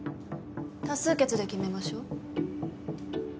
多数決で決めましょう。